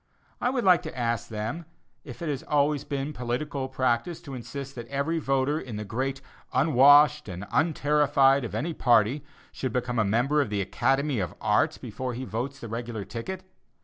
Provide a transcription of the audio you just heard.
I would like to ask them if it has always been political practice to insist that every voter in the great "unwashed" and "unterrified" of any party should become a member of the Academy of Arts before he votes the "regular" ticket?